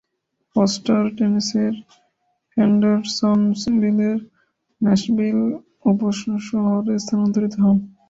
Foster টেনেসির হেন্ডারসনভিলের Nashville উপশহরে স্থানান্তরিত হন।